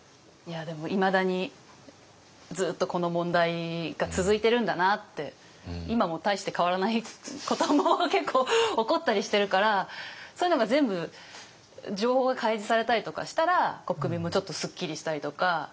でもいまだにずっとこの問題が続いてるんだなって今も大して変わらないことも結構起こったりしてるからそういうのが全部情報が開示されたりとかしたら国民もちょっとすっきりしたりとか。